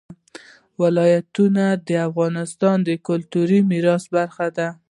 ولایتونه د افغانستان د کلتوري میراث برخه ده.